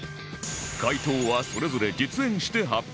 解答はそれぞれ実演して発表